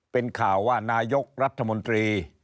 เป็นข่าวว่านายกรัฐมนตรี